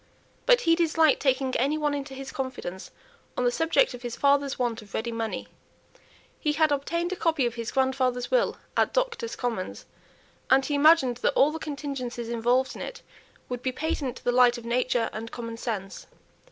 But he disliked taking any one into his confidence on the subject of his father's want of ready money. He had obtained a copy of his grandfather's will at Doctors' Commons, and he imagined that all the contingencies involved in it would be patent to the light of nature and common sense.